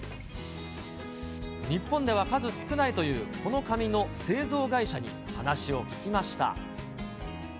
日本では数少ないという、この紙の製造会社に話を聞きました。